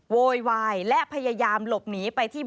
โวยวายและพยายามหลบหนีไปที่